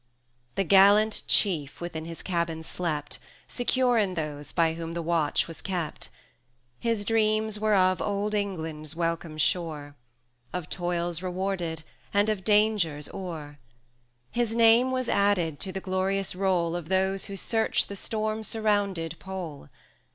II. The gallant Chief within his cabin slept, Secure in those by whom the watch was kept: His dreams were of Old England's welcome shore, Of toils rewarded, and of dangers o'er; 20 His name was added to the glorious roll Of those who search the storm surrounded Pole.